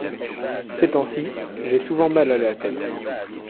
Ces temps-ci j’ai souvent mal à la tête.